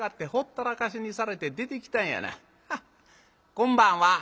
こんばんは。